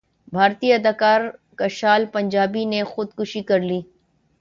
بھارتی اداکار کشال پنجابی نے خودکشی کرلی